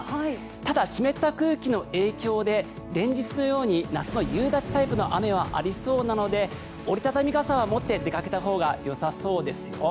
ただ、湿った空気の影響で連日のように夏の夕立タイプの雨はありそうなので折り畳み傘は持って出かけたほうがよさそうですよ。